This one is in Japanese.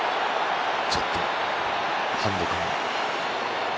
ちょっとハンドか。